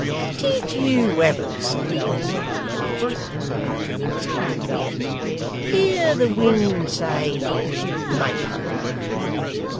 'Did you ever, sir,' asked John, after a minute's contemplation, 'hear the wind say "Maypole"?